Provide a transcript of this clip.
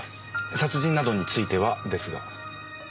殺人などについてはですが。